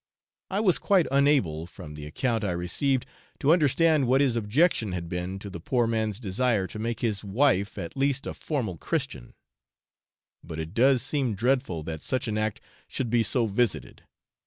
I was quite unable, from the account I received, to understand what his objection had been to the poor man's desire to make his wife at least a formal Christian; but it does seem dreadful that such an act should be so visited.